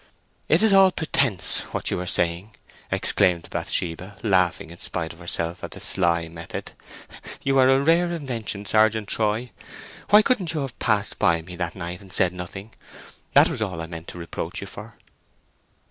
"It is all pretence—what you are saying!" exclaimed Bathsheba, laughing in spite of herself at the sly method. "You have a rare invention, Sergeant Troy. Why couldn't you have passed by me that night, and said nothing?—that was all I meant to reproach you for."